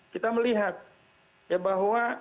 kita melihat ya bahwa